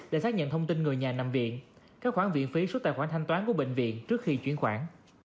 để xác nhận thông tin người nhà nằm viện các khoản viện phí số tài khoản thanh toán của bệnh viện trước khi chuyển khoản